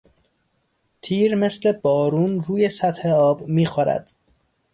تیر مثل بارون روی سطح آب میخورد